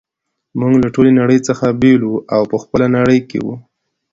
موږ له ټولې نړۍ څخه بیل وو او په خپله نړۍ کي وو.